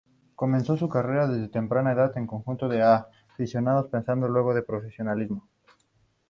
Comenzó su carrera desde temprana edad, en conjunto de aficionados, pasando luego al profesionalismo.